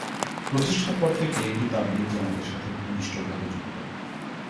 প্রতিষ্ঠার পর থেকেই এটি তাবলিগ জামাতের সাথে ঘনিষ্ঠভাবে যুক্ত।